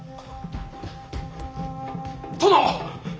殿！